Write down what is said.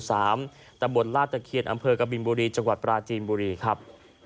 ตำบลลาตะเคียนอำเภอกบินบุรีจังหวัดปราจีนบุรีครับ